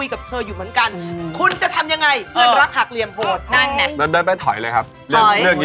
แม่แม่อาจใหม่มันนี่เอาออกไป